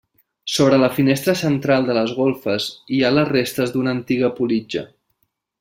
Sobre la finestra central de les golfes, hi ha les restes d'una antiga politja.